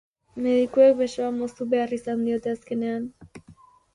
Medikuek besoa moztu behar izan diote azkenean.